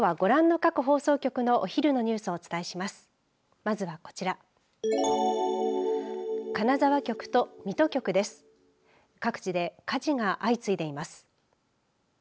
各地で火事が相次いでいます。